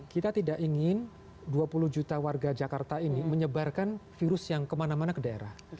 kita tidak ingin dua puluh juta warga jakarta ini menyebarkan virus yang kemana mana ke daerah